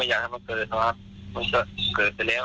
ไม่อยากทำบังเกิดน่ะครับ